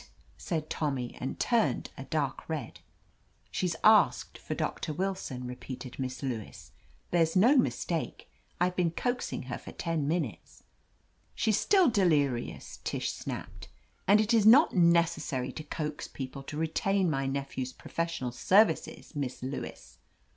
said Tommy, and turned a dark red. "She's asked for Doctor Willson," repeated Miss Lewis. "There's no mistake. I've been coaxing her for ten minutes." "She's still delirious," Tish snapped. "And it is not necessary to coax people to retain my nephew's professional services. Miss Lewis."